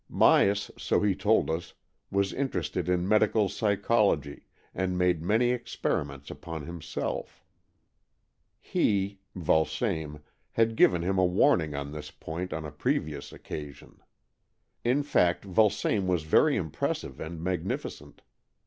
Myas, so he told us, was interested in medical psychology, and made many experiments upon himself; he (Vulsame) had given him a warning on this point on a previous occa sion. In fact, Vulsame was very impressive and magnificent.